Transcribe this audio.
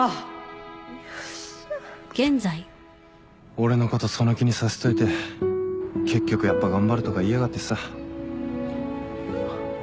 俺のことその気にさせといて結局「やっぱ頑張る」とか言いやがってさ。